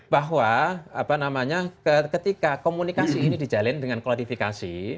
bahwa ketika komunikasi ini dijalin dengan klarifikasi